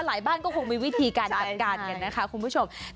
บ้านก็คงมีวิธีการจัดการกันนะคะคุณผู้ชม